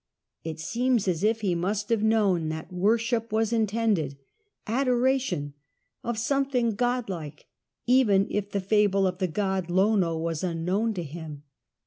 It seems as if he must have known that worship was intended — ^adoration — of something godlike, even if the fable of the* god Lono was unknown to him.